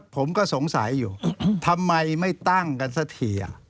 ผมก็สงสัยอยู่ทำไมไม่ตั้งกันสักที